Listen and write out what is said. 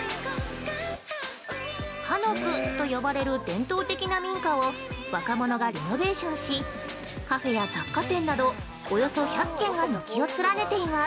韓屋と呼ばれる伝統的な民家を若者がリノベーションし、カフェや雑貨店などおよそ１００軒が軒を連ねています。